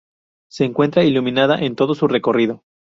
Se encuentra iluminada en todo su recorrido.